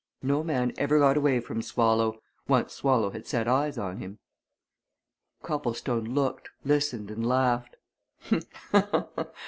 No man ever got away from Swallow once Swallow had set eyes on him." Copplestone looked, listened, and laughed.